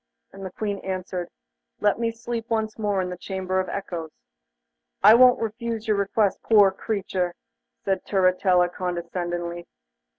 And the Queen answered: 'Let me sleep once more in the Chamber of Echoes.' 'I won't refuse your request, poor creature,' said Turritella condescendingly.